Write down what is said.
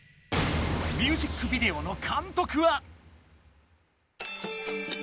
ミュージックビデオの監督は。